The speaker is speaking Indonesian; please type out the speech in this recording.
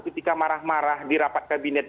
ketika marah marah di rapat kabinet